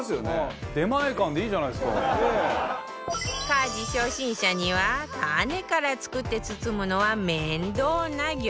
家事初心者にはタネから作って包むのは面倒な餃子